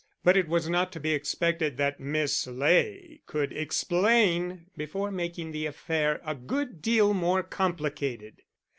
But it was not to be expected that Miss Ley could explain before making the affair a good deal more complicated.